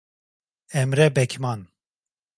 Emre Bekman